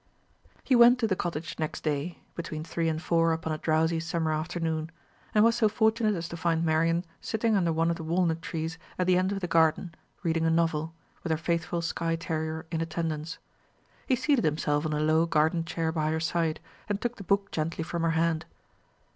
He went to the cottage next day, between three and four upon a drowsy summer afternoon, and was so fortunate as to find Marian sitting under one of the walnut trees at the end of the garden reading a novel, with her faithful Skye terrier in attendance. He seated himself on a low garden chair by her side, and took the book gently from her hand.